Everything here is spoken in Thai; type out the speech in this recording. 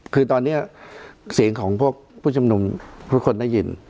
คือตอนนี้เสียงของพวกผู้ชมนุมทุกคนได้ยิน